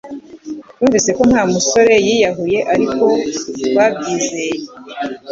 Twumvise ko Wa musore yiyahuye ariko ntitwabyizeye